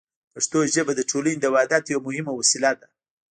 پښتو ژبه د ټولنې د وحدت یوه مهمه وسیله ده.